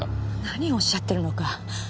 何をおっしゃっているのか。